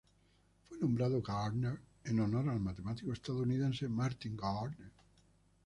Fue nombrado Gardner en honor al matemático estadounidense Martin Gardner.